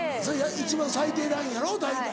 一番最低ラインやろ大体。